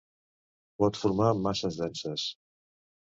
Pot formar masses denses.